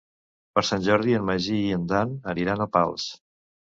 Per Sant Jordi en Magí i en Dan aniran a Pals.